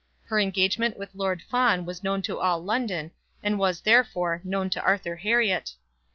Her engagement with Lord Fawn was known to all London, and was, therefore, known to Arthur Herriot.